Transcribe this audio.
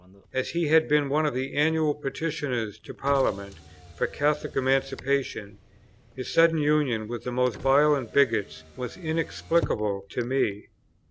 As he had been one of the annual Petitioners to Parliament for Catholic Emancipation, his sudden union with the most violent bigots was inexplicable to me.